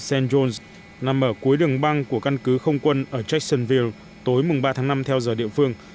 sông st john s nằm ở cuối đường băng của căn cứ không quân ở jacksonville tối ba tháng năm theo giờ địa phương